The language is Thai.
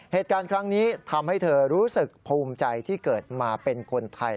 เหตุการณ์ครั้งนี้ทำให้เธอรู้สึกภูมิใจที่เกิดมาเป็นคนไทย